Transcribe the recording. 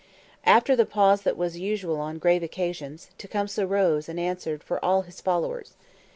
After the pause that was usual on grave occasions, Tecumseh rose and answered for all his followers.